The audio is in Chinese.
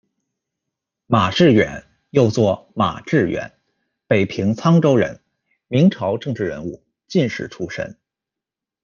马志远，又作马致远，北平沧州人，明朝政治人物、进士出身。